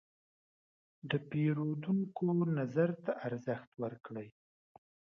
د پیرودونکو نظر ته ارزښت ورکړئ.